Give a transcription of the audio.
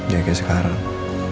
ya kayak sekarang